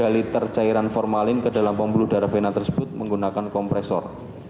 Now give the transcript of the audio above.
tiga liter cairan formalin ke dalam pembuluh darah vena tersebut menggunakan kompresor